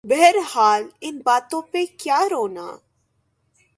بہرحال ان باتوں پہ کیا رونا۔